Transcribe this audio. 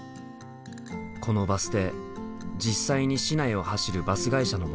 このバス停実際に市内を走るバス会社のもの。